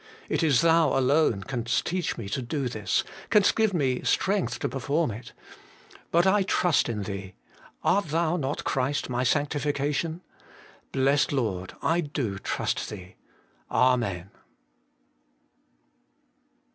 It is Thou alone canst teach me to do this, canst give me strength to perform it. But I trust in Thee art Thou not Christ my sanctification ? Blessed Lord ! I do trust Thee. Amen.